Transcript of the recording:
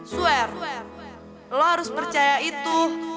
sware lo harus percaya itu